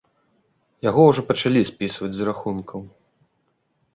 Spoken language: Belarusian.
Яго ўжо пачалі спісваць з рахункаў.